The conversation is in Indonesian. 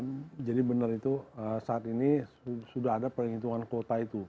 iya jadi benar itu saat ini sudah ada perhitungan kuota itu